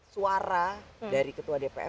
suara dari ketua dpr